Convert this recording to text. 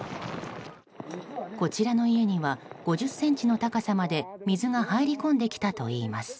こちらの家には５０ｃｍの高さまで水が入り込んできたといいます。